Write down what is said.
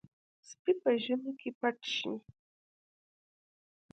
سپي په ژمي کې پټ شي.